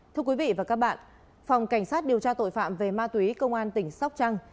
thưa quý vị và các bạn phòng cảnh sát điều tra tội phạm về ma túy công an tỉnh sóc trăng